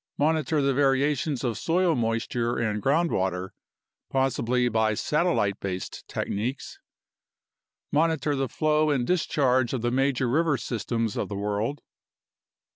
Monitor the variations of soil moisture and groundwater, possibly by satellite based techniques. Monitor the flow and discharge of the major river systems of the world.